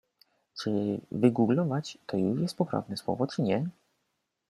Czy "wygooglować" to już jest poprawne słowo czy nie?